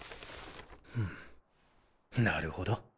うんなるほど。